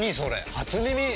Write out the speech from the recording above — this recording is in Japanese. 初耳！